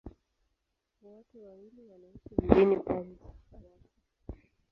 Wote wawili wanaishi mjini Paris, Ufaransa.